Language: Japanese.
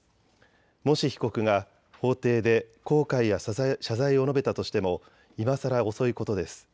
もし被告が法廷で後悔や謝罪を述べたとしてもいまさら遅いことです。